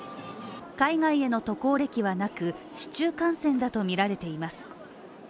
海外への渡航歴はなく市中感染だとみられています。